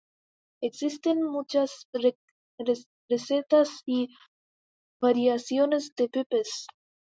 Existen muchas recetas y variaciones de pepes.